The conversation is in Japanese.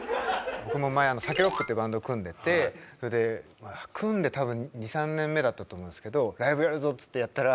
僕も前ＳＡＫＥＲＯＣＫってバンド組んでてそれで組んで多分２３年目だったと思うんですけどライブやるぞっつってやったら。